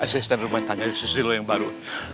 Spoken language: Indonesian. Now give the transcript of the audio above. ayo saya standar rumahnya tanya sule yang baru